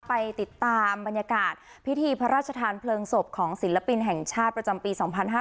ไปติดตามบรรยากาศพิธีพระราชทานเพลิงศพของศิลปินแห่งชาติประจำปี๒๕๕๙